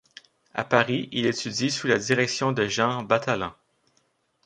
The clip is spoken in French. À Paris, il étudie sous la direction de Jean Batallan.